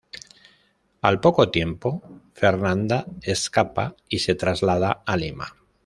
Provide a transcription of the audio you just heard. Al poco tiempo, Fernanda escapa y se traslada a Lima.